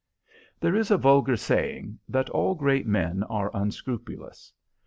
There is a vulgar saying that all great men are unscrupulous.